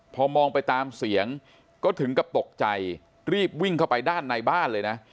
พอมองไปตามเสียงก็ถึงกับตกใจรีบวิ่งเข้าไปด้านในบ้านเลยนะ